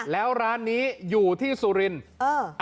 แล้วร้านนี้อยู่ที่สุรินทร์